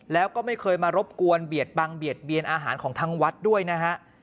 แล้วก็ไม่เคยมารบกวนเบียดบังเบียดเบียนอาหารของทางวัดด้วยนะฮะ